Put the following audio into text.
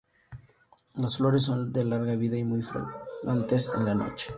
Las flores son de larga vida y muy fragantes en la noche.